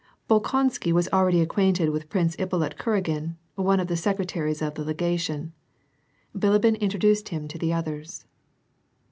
Bolkonsky was already acquainted with Prince Ippolit Kuragin, one of the secretaries of the legation ; Bilibin introduced him to the others.